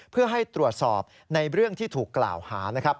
เพื่อให้ตรวจสอบในเรื่องที่ถูกกล่าวหานะครับ